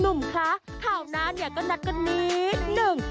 หนุ่มคะข่าวหน้าเนี่ยก็นัดกันนิดหนึ่ง